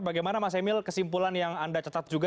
bagaimana mas emil kesimpulan yang anda catat juga